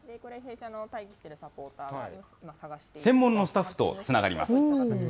専門のスタッフとつながります。